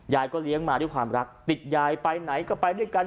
เลี้ยงมาด้วยความรักติดยายไปไหนก็ไปด้วยกัน